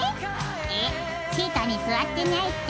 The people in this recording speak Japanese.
「えっシートに座ってないって？」